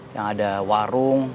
yang ada warung